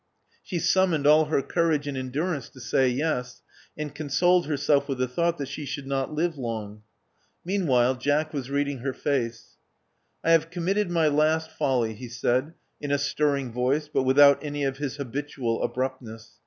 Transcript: She summoned all her courage and endurance to say yes, and consoled herself with the thought that she should not live long. Meanwhile, Jack was read ing her face. '*! have committed my last folly," he said, in astir ring voice, but without any of his habitual abruptness.